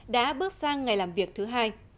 đã bước sang ngày làm việc thứ hai